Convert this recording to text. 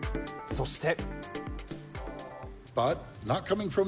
そして。